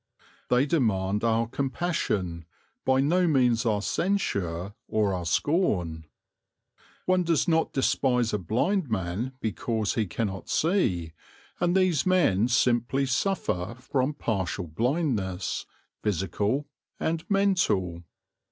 They demand our compassion, by no means our censure or our scorn. One does not despise a blind man because he cannot see; and these men simply suffer from partial blindness, physical and mental.